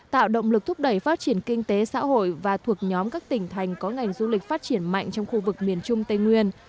tạo động lực thúc đẩy phát triển kinh tế xã hội và thuộc nhóm các tỉnh thành có ngành du lịch phát triển mạnh trong khu vực miền trung tây nguyên